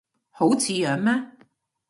好似樣咩